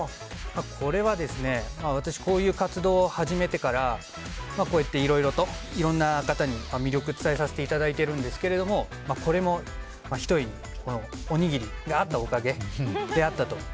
これは、私こういう活動を始めてからこうやって、いろいろといろんな方に魅力を伝えさせていただいているんですけれどもこれも、ひとえにおにぎりがあったおかげであったと。